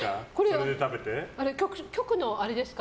局のあれですか？